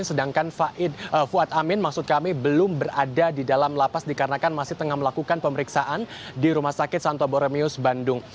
sedangkan fuad amin maksud kami belum berada di dalam lapas dikarenakan masih tengah melakukan pemeriksaan di rumah sakit santo boremius bandung